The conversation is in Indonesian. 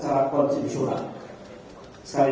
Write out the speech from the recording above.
tiga kemudian kematikan tajam